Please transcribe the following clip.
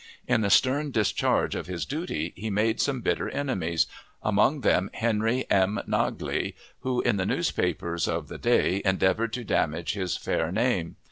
In the stern discharge of his duty he made some bitter enemies, among them Henry M. Naglee, who, in the newspapers of the day, endeavored to damage his fair name.